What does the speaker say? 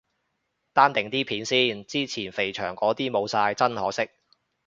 單定啲片先，之前肥祥嗰啲冇晒，真可惜。